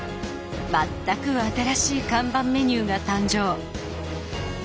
全く新しい看板メニューが誕生。